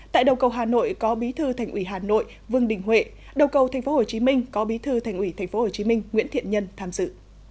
tại đầu cầu hà nội có bí thư thành ủy hà nội vương đình huệ đầu cầu tp hcm có bí thư thành ủy tp hcm nguyễn thiện nhân tham dự